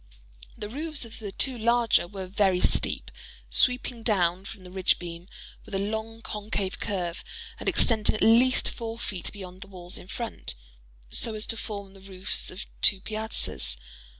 The roofs of the two larger were very steep—sweeping down from the ridge beam with a long concave curve, and extending at least four feet beyond the walls in front, so as to form the roofs of two piazzas.